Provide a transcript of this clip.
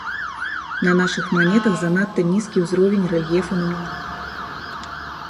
На нашых манетах занадта нізкі ўзровень рэльефу намінала.